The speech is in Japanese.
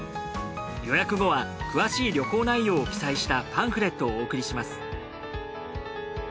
予約後は詳しい旅行内容を記載したパンフレットをお送りします。